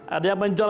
secara proses rebutan